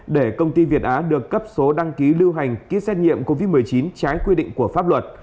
để công ty việt á được cấp số đăng ký lưu hành ký xét nghiệm covid một mươi chín trái quy định của pháp luật